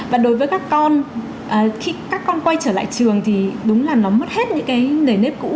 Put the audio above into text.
và đối với các con khi các con quay trở lại trường thì đúng là nó mất hết những cái nền nếp cũ